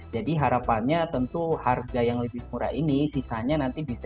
jadi harapannya tentu harga yang lebih murah ini sisanya nanti bisa di saving gitu ya